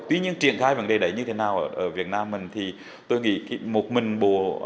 tuy nhiên triển khai vấn đề đấy như thế nào ở việt nam mình thì tôi nghĩ một mình bù